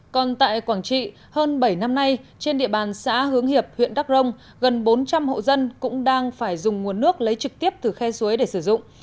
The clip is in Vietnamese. còn tại quảng trị hơn bảy năm nay trên địa bàn xã hướng hiệp huyện đắk rông gần bốn trăm linh hộ dân cũng đang phải dùng nguồn nước lấy trực tiếp từ khe suối để sử dụng